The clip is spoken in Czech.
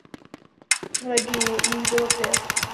V legii jich bylo pět.